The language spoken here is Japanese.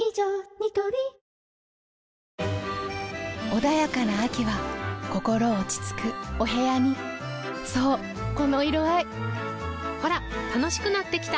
ニトリ穏やかな秋は心落ち着くお部屋にそうこの色合いほら楽しくなってきた！